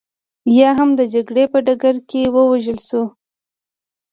یا هم د جګړې په ډګر کې ووژل شول